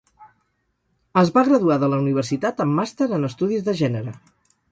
Es va graduar de la universitat amb màster en estudis de gènere.